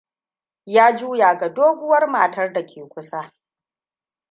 Ya juya ga doguwar matar da ke kusa.